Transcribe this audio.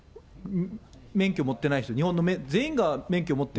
免許持ってない人、全員が免許持ってる。